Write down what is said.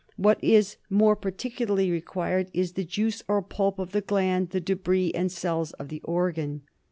What is more particularly required is the juice or pulp of the gland, the debris and cells of the organ.